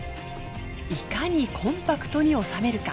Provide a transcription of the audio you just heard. いかにコンパクトにおさめるか。